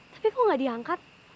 tapi kok gak diangkat